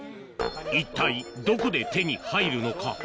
一体どこで手に入るのか？